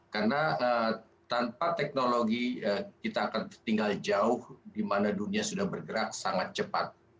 karena tanpa teknologi kita akan tinggal jauh di mana dunia sudah bergerak sangat cepat